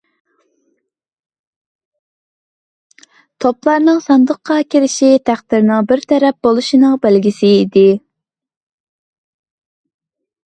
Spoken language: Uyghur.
توپلارنىڭ ساندۇققا كىرىشى تەقدىرىنىڭ بىر تەرەپ بولۇشىنىڭ بەلگىسى ئىدى.